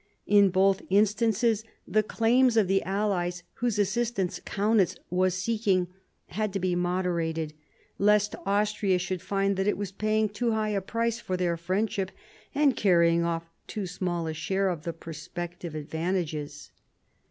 In both instances the claims of the allies whose assistance Kaunitz was seeking had to be moderated, lest Austria should find that it was paying too high a price for their friendship and carrying off too small a share of the prospective advan tages.